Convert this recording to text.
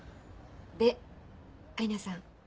でアイナさん。